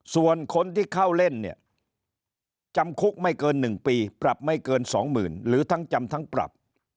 ส่วนคนที่เข้าเล่นเนี่ยจำคุกไม่เกิน๑ปีปรับไม่เกิน๒๐๐๐หรือทั้งจำทั้งปรับ